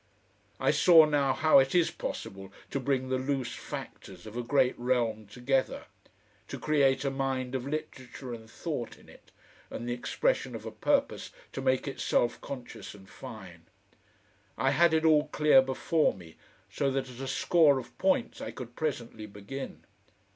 I saw now how it is possible to bring the loose factors of a great realm together, to create a mind of literature and thought in it, and the expression of a purpose to make it self conscious and fine. I had it all clear before me, so that at a score of points I could presently begin.